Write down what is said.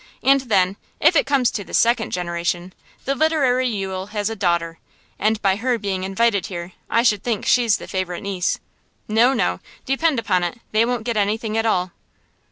And then, if it comes to the second generation, the literary Yule has a daughter, and by her being invited here I should think she's the favourite niece. No, no; depend upon it they won't get anything at all.